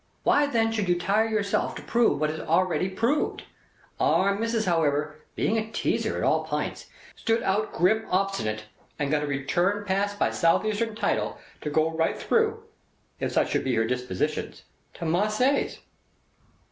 Why then should you tire yourself to prove what is aready proved? Our Missis however (being a teazer at all pints) stood out grim obstinate, and got a return pass by South Eastern Tidal, to go right through, if such should be her dispositions, to Marseilles.